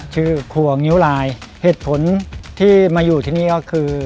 ครัวงิ้วลายเหตุผลที่มาอยู่ที่นี่ก็คือ